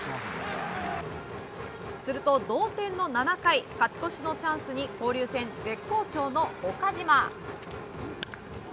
すると同点の７回勝ち越しのチャンスに交流戦絶好調の岡島！